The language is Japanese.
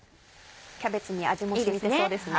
キャベツに味も染みてそうですね。